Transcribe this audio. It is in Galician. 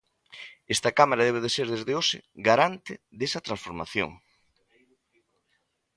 Esta cámara debe ser desde hoxe garante desa transformación.